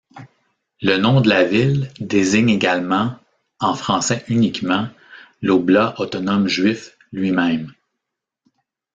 Le nom de la ville désigne également, en français uniquement, l'Oblast autonome juif lui-même.